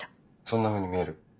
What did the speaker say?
そんなふうに見える？